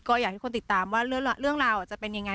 ก็อยากให้คนติดตามว่าเรื่องราวจะเป็นยังไง